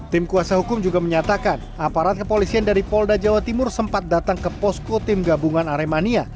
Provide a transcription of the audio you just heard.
tim kuasa hukum juga menyatakan aparat kepolisian dari polda jawa timur sempat datang ke posko tim gabungan aremania